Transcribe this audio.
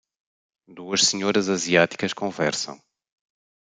duas senhoras asiáticas conversam.